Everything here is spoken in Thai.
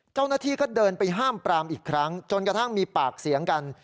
เจ้าหน้าที่ก็เดินไปห้ามปรามอีกครั้งจนกระทั่งมีปากเสียงกัน